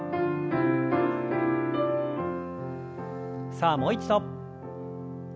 さあもう一度。